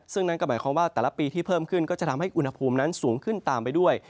ซึ่งนั่นก็หมายความว่าแต่ละปีที่เพิ่มขึ้นก็จะทำให้อุณหภูมินั้นสูงขึ้นตามไปด้วย